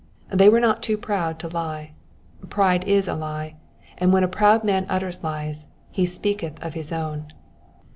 '' They were not too proud to lie. Pride is a he, and when a proud man utters lies *^ he speaketh of his own."